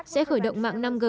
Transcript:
sẽ khởi động mạng năm g